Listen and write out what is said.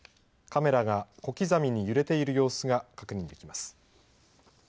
カメラが小刻みに揺れている様子が確認できます。